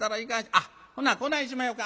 あっほなこないしまひょか。